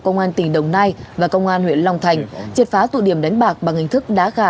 công an tỉnh đồng nai và công an huyện long thành triệt phá tụ điểm đánh bạc bằng hình thức đá gà